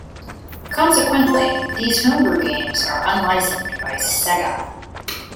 Consequently, these homebrew games are unlicensed by Sega.